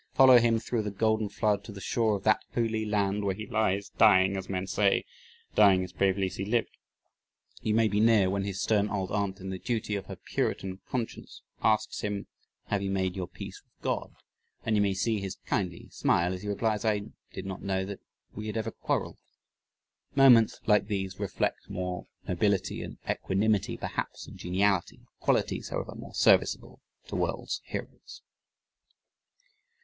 Follow him through the golden flood to the shore of that "holy land," where he lies dying as men say dying as bravely as he lived. You may be near when his stern old aunt in the duty of her Puritan conscience asks him: "Have you made your peace with God"? and you may see his kindly smile as he replies, "I did not know that we had ever quarreled." Moments like these reflect more nobility and equanimity perhaps than geniality qualities, however, more serviceable to world's heroes.